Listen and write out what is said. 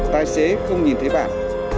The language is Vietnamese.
tài xế không nhìn thấy bạn